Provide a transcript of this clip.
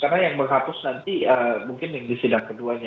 karena yang menghapus nanti mungkin yang di sidang keduanya